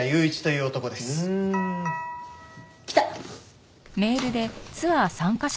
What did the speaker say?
うーん。来た。